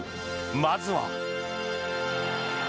まずは。